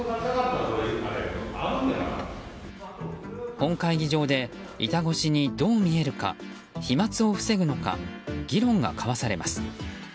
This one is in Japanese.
本会議場で板越しにどう見えるか飛沫を防ぐのか議論が交わされます。